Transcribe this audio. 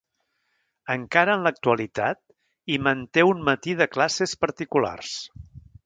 Encara en l'actualitat hi manté un matí de classes particulars.